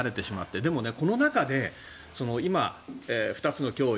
だけど、この中で今、２つの脅威